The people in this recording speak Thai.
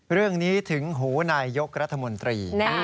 เรื่องนี้ถึงหูนายยกรัฐมนตรี